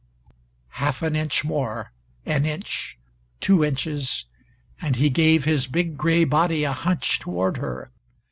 Half an inch more an inch, two inches, and he gave his big gray body a hunch toward her.